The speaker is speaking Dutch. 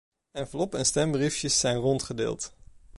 Enveloppen en stembriefjes zijn rondgedeeld.